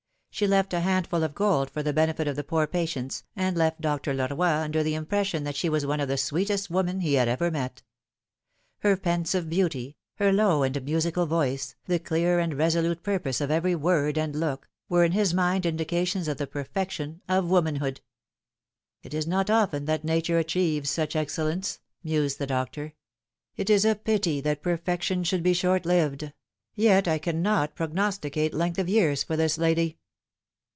She left a handful of gold for the benefit of the poor patients, and left Dr. Leroy under the impression that she was one of the sweetest women he had ever met. Her pensive beauty, her low and musical voice, the clear and resolute pur pose of every word and look, were in his mind indications of the perfection of womanhood. " It is not often that Nature achieves such excellence," mused the doctor. " It is a pity that perfection should be short lived ; yet I cannot prognosticate length of years for this lady."